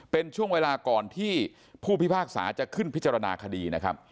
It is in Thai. เป็นช่วงเวลาก่อนที่ผู้พิพากษาจะขึ้นพิจารณาคดีนะครับ